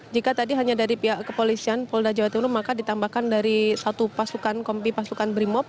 jika tadi hanya dari pihak kepolisian polda jawa timur maka ditambahkan dari satu pasukan kompi pasukan brimop